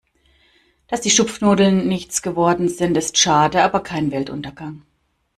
Dass die Schupfnudeln nichts geworden sind, ist schade, aber kein Weltuntergang.